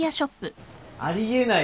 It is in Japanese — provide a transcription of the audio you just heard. あり得ない